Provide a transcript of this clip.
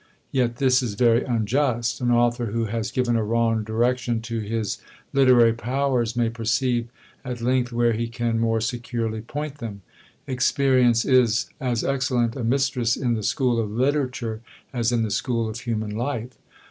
Yet this is very unjust; an author who has given a wrong direction to his literary powers may perceive, at length, where he can more securely point them. Experience is as excellent a mistress in the school of literature as in the school of human life.